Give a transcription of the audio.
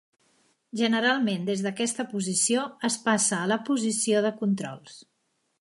Generalment des d'aquesta posició es passa a la posició de controls.